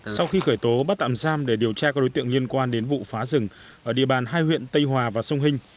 sau khi khởi tố bắt tạm giam để điều tra các đối tượng liên quan đến vụ phá rừng ở địa bàn hai huyện tây hòa và sông hinh